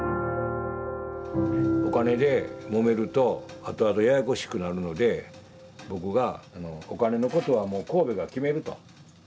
お金でもめると後々ややこしくなるので僕がお金のことはもう神戸が決めると。